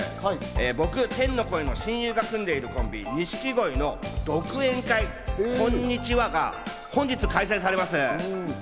僕、天の声の親友が組んでいるコンビ、錦鯉の独演会「こんにちわ」が本日開催されます。